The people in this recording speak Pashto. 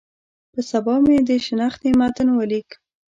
په سبا مې د شنختې متن ولیک.